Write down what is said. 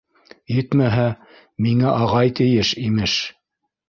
Етмәһә, миңә ағай тейеш, имеш!